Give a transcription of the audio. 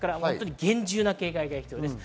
厳重な警戒が必要です。